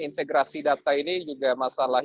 integrasi data ini juga masalah